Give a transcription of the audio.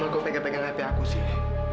mau gue pengen pengen hp aku sih